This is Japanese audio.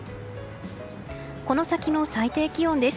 この先の最低気温です。